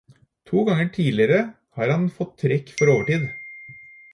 To ganger tidligere har han fått trekk for overtid.